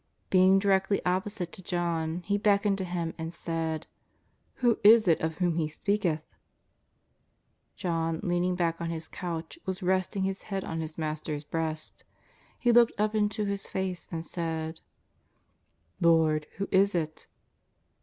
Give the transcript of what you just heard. Being directly opposite to John, he beckoned to him and said :" Who is it of whom He speaketh ?" John, leaning back on his couch, was resting his head on his Master's breast. He looked up into His face and said: " Lord, who is it